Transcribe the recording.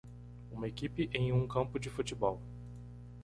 Uma equipe em um campo de futebol.